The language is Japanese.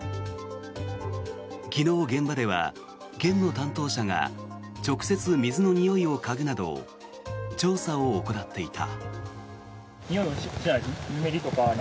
昨日、現場では県の担当者が直接水のにおいをかぐなど調査を行っていた。